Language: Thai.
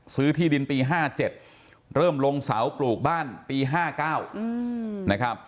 ซื้อที่ดินปี๕๗เริ่มลงเสาปลูกบ้านปี๕๙